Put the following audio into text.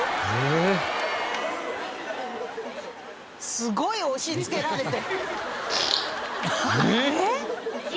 すごい押しつけられて。